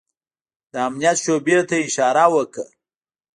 د امنيت شعبې ته يې اشاره وکړه.